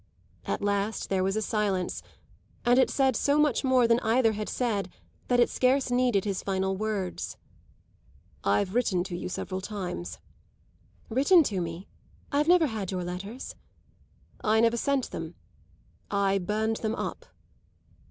At last there was a silence, and it said so much more than either had said that it scarce needed his final words. "I've written to you several times." "Written to me? I've never had your letters." "I never sent them. I burned them up."